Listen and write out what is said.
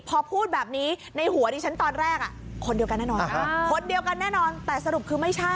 พอพูดแบบนี้ในหัวชั้นตอนแรก